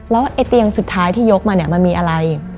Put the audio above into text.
ในเตียงสุดท้ายที่หยกมันมีอะไร